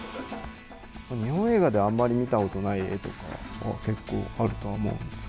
日本映画であんまり見たことない絵とか、結構あるとは思うんです。